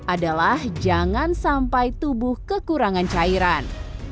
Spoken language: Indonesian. adalah jangan sampai tubuh kekurangan cairan